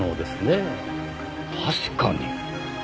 確かに。